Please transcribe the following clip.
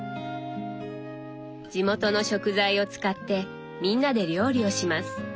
地元の食材を使ってみんなで料理をします。